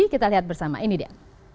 kita lihat bersama ini dia